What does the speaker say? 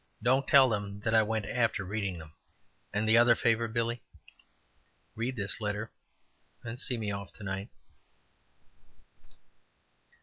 Don't tell 'em that I went after reading 'em." "And the other favor, Billy?" "Read this letter, and see me off to night."